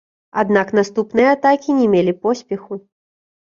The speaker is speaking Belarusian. Аднак наступныя атакі не мелі поспеху.